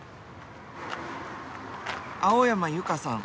青山由佳さん。